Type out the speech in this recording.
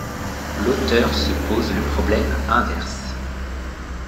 L'auteur se pose le problème inverse.